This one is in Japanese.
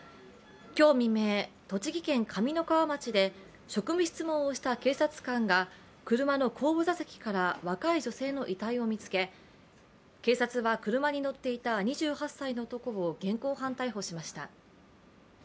今日未明、栃木県上三川町で職務質問をした警察官が車の後部座席から若い女性の遺体を見つけ、警察は車に乗っていた２８歳の男を現行犯逮捕しました。